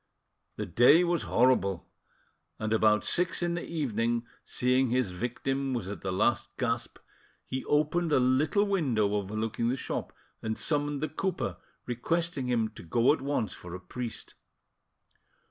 The day was horrible, and about six in the evening, seeing his victim was at the last gasp, he opened a little window overlooking the shop and summoned the cooper, requesting him to go at once for a priest.